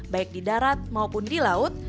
baik di darat maupun di laut